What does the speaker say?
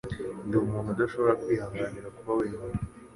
Ndi umuntu udashobora kwihanganira kuba wenyine.